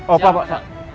oh siap mas al